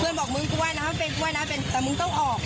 เพื่อนบอกมึงกว้ายน้ำเป็นกว้ายน้ำเป็นแต่มึงต้องออก